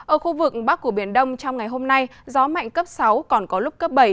ở khu vực bắc của biển đông trong ngày hôm nay gió mạnh cấp sáu còn có lúc cấp bảy